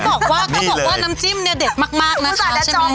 แล้วเขาบอกว่าน้ำจิ้มเนี่ยเด็กมากนะช้ำ